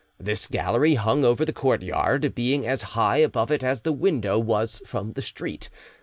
This gallery hung over the courtyard, being as high above it as the window was from the street.